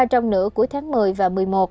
trong nửa cuối tháng một mươi và một mươi một